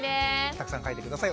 たくさん書いて下さい。